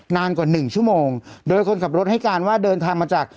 นานกว่าหนึ่งชั่วโมงโดยคนขับรถให้การว่าเดินทางมาจาก